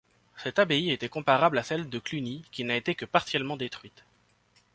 Cette abbaye était comparable à celle de Cluny qui n'a été que partiellement détruite.